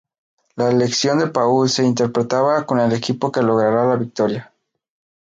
La elección de Paul se interpretaba con el equipo que logrará la victoria.